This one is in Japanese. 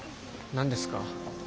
何ですか？